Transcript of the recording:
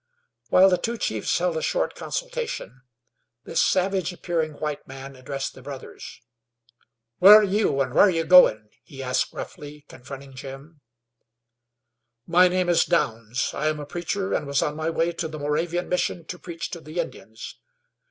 While the two chiefs held a short consultation, this savage appearing white man addressed the brothers. "Who're you, an' where you goin'?" he asked gruffly, confronting Jim. "My name is Downs. I am a preacher, and was on my way to the Moravian Mission to preach to the Indians.